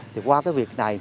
thì qua cái việc này